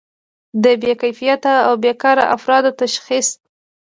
د بې کفایته او بیکاره افرادو تشخیص.